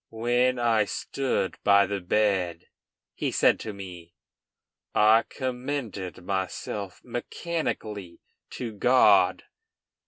"When I stood by the bed," he said to me, "I commended myself mechanically to God."